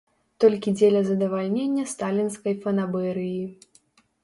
Толькі дзеля задавальнення сталінскай фанабэрыі!